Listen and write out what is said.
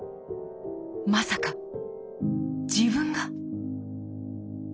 まさか自分が？